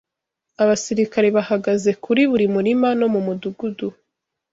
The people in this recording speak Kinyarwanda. Abasirikare bahagaze kuri buri murima no mumudugudu.